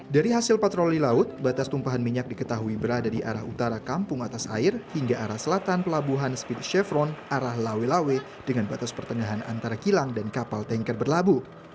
dari hasil patroli laut batas tumpahan minyak diketahui berada di arah utara kampung atas air hingga arah selatan pelabuhan speed chevron arah lawe lawe dengan batas pertengahan antara kilang dan kapal tanker berlabuh